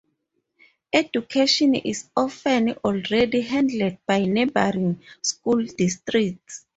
Education is often already handled by neighboring school districts.